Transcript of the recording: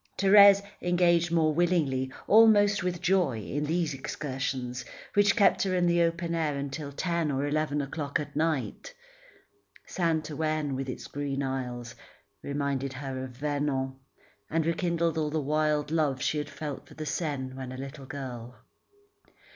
Thérèse engaged more willingly, almost with joy, in these excursions which kept her in the open air until ten or eleven o'clock at night. Saint Ouen, with its green isles, reminded her of Vernon, and rekindled all the wild love she had felt for the Seine when a little girl.